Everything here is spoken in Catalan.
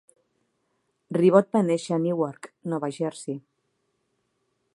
Ribot va néixer a Newark (Nova Jersey).